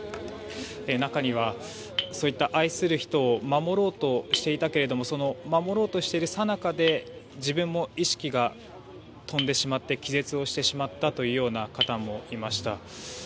中には、そういった愛する人を守ろうとしていたけれどもその守ろうとしているさなかで自分も意識が飛んでしまって気絶をしてしまったという方もいました。